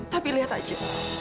tapi lihat aja